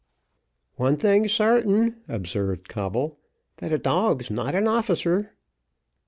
"One thing's sartain," observed Coble, "that a dog's not an officer."